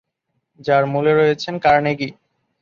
যার মূলে রয়েছেন কার্নেগী।